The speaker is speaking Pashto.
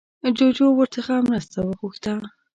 جوجو ورڅخه مرسته وغوښته